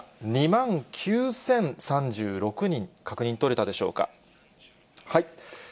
２万９０３６人、確認取れたでしょうか。